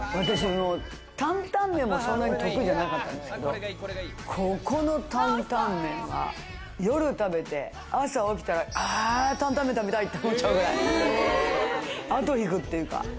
担々麺もそんなに得意じゃなかったんですけれど、ここの担々麺は夜食べて、朝起きたら担々麺食べたいって思っちゃうくらい、後を引くというか。